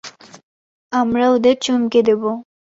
আমরা ওদের চমকে দেবো।